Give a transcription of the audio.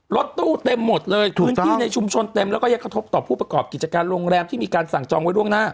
รถตู้เต็มหมดเลยพื้นที่ในชุมชนเต็มแล้วก็ยังกระทบต่อผู้ประกอบกิจการโรงแรมที่มีการสั่งจองไว้ล่วงหน้า